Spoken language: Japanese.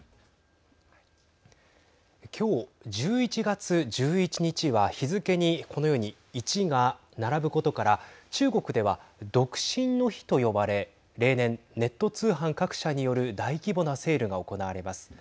今日１１月１１日は日付にこのように１が並ぶことから中国では独身の日と呼ばれ例年、ネット通販各社による大規模なセールが行われます。